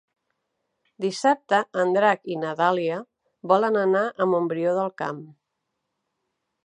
Dissabte en Drac i na Dàlia volen anar a Montbrió del Camp.